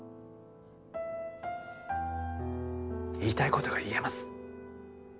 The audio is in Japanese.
言いたいことが言えます